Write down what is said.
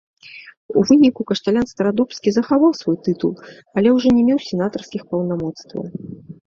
У выніку, кашталян старадубскі захаваў свой тытул, але ўжо не меў сенатарскіх паўнамоцтваў.